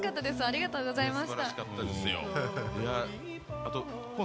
ありがとうございます。